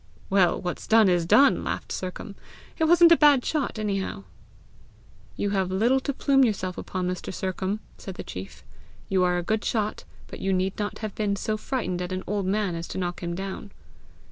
"Well, what's done is done!" laughed Sercombe. "It wasn't a bad shot anyhow!" "You have little to plume yourself upon, Mr. Sercombe!" said the chief. "You are a good shot, but you need not have been so frightened at an old man as to knock him down!"